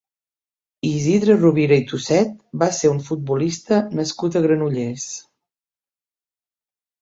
Isidre Rovira i Tuset va ser un futbolista nascut a Granollers.